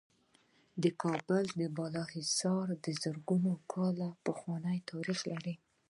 د کابل د بالا حصار د زرو کلونو پخوانی تاریخ لري